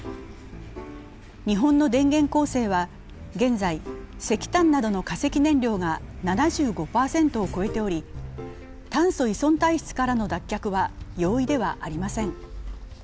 日本の電源構成は現在、石炭などの化石燃料が７５％を超えており炭素依存体質からの脱却は容易ではありません。